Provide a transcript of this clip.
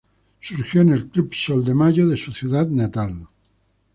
Surgió en el Club Sol de Mayo de su ciudad natal.